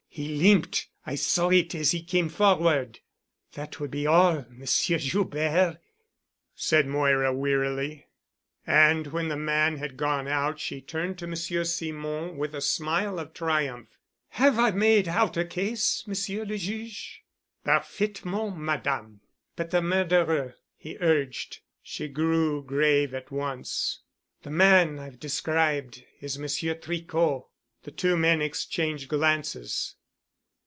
He limped. I saw it as he came forward——" "That will be all, Monsieur Joubert," said Moira wearily. And when the man had gone out she turned to Monsieur Simon with a smile of triumph. "Have I made out a case, Monsieur le Juge?" "Parfaitement, Madame. But the murderer——?" he urged. She grew grave at once. "The man I have described is Monsieur Tricot." The two men exchanged glances.